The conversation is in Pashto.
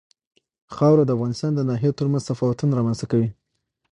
خاوره د افغانستان د ناحیو ترمنځ تفاوتونه رامنځ ته کوي.